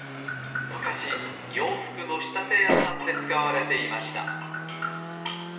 むかしようふくのしたてやさんでつかわれていました。